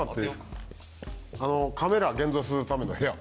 あのカメラ現像するための部屋。